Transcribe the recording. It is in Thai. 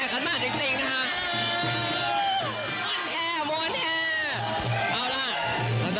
แห่ขันมาจริงนะคะ